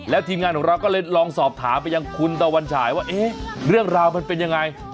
แล้วทีมงานของเราก็เลยลองสอบถามไปยังคุณตะวันฉายว่าเอ๊ะเรื่องราวมันเป็นยังไง